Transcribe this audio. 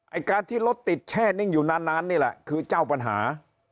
ไอ้การที่รถติดแช่นิ่งอยู่นานนี่แหละคือเจ้าปัญหา